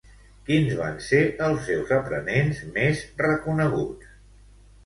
Quins van ser els seus aprenents més reconeguts?